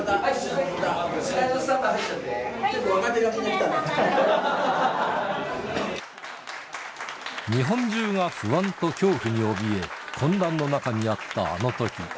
ちょっと若手が来たのかと思日本中が不安と恐怖におびえ、混乱の中にあったあのとき。